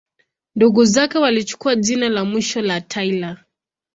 Ndugu zake walichukua jina la mwisho la Taylor.